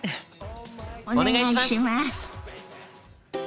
お願いします！